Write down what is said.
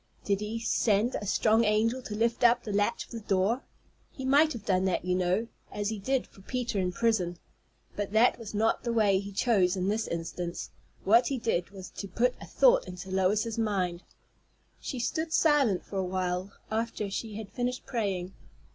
Did he send a strong angel to lift up the latch of the door? He might have done that, you know, as he did for Peter in prison. But that was not the way he chose in this instance. What he did was to put a thought into Lois's mind. She stood silent for a while after she had finished praying.